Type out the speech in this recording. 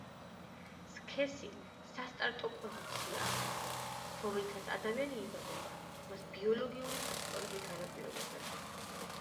სქესი სასტარტო პოზიციაა რომლითაც ადამიანი იბადება; მას ბიოლოგიური ფაქტორები განაპირობებენ.